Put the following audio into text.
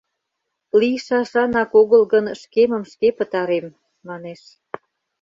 — Лийшашанак огыл гын, шкемым шке пытарем», — манеш.